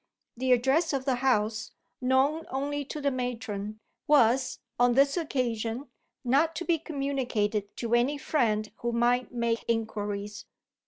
The address of the house (known only to the matron) was, on this occasion, not to be communicated to any friend who might make inquiries.